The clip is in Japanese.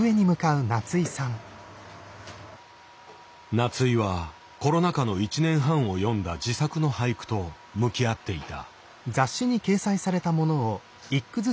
夏井はコロナ禍の１年半を詠んだ自作の俳句と向き合っていた。